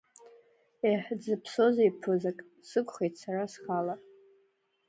Еҳ, дзыԥсозеи ԥызак, сықәхеит сара схала.